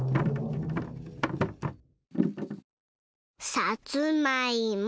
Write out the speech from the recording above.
さつまいも。